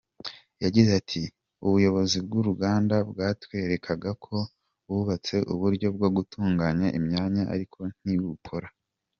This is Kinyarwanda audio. Yagize ati “Ubuyobozi bw’uruganda bwatwerekaga ko bubatse uburyo bwo gutunganya imyanda ariko ntibukora.